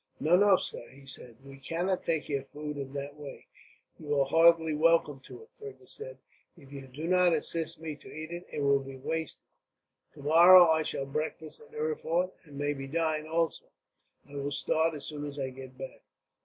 "No, no, sir," he said, "we cannot take your food in that way." "You are heartily welcome to it," Fergus said. "If you do not assist me to eat it, it will be wasted. Tomorrow I shall breakfast at Erfurt, and maybe dine, also. I will start as soon as I get back."